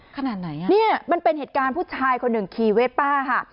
ขนาดไหนอ่ะเนี่ยมันเป็นเหตุการณ์ผู้ชายคนหนึ่งขี่เวตป้าค่ะ